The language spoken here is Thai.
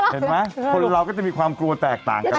เห็นไหมคนเราก็จะมีความกลัวแตกต่างกัน